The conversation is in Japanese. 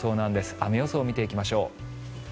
雨予想、見ていきましょう。